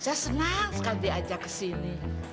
saya senang sekali diajak kesini